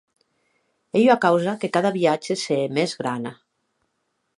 Ei ua causa que cada viatge se hè mès grana.